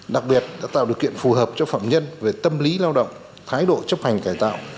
đặc biệt đã tạo điều kiện phù hợp cho phạm nhân về tâm lý lao động thái độ chấp hành cải tạo